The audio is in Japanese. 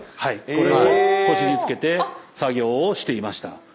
これを腰につけて作業をしていました。